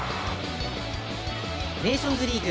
ネーションズリーグ